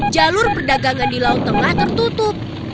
jalur perdagangan di laut tengah tertutup